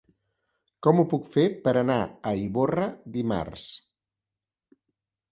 Com ho puc fer per anar a Ivorra dimarts?